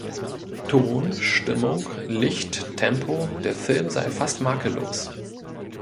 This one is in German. Ton, Stimmung, Licht, Tempo, der Film sei fast makellos.